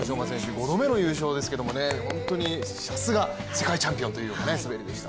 ５度目の優勝ですけれどもね、さすが世界チャンピオンというような滑りでした。